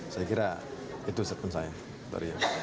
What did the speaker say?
saya kira itu set pun saya